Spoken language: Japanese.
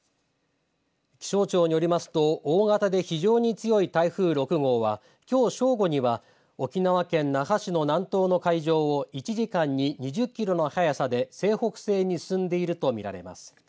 気象庁によりますと大型で非常に強い台風６号は、きょう正午には沖縄県那覇市の南東の海上を１時間に２０キロの速さで西北西に進んでいるとみられます。